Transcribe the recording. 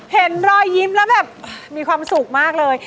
เห็นรอยยิ้มแล้วแบบมีความสุขมากเลย